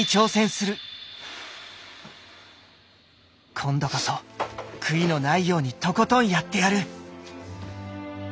今度こそ悔いのないようにとことんやってやる！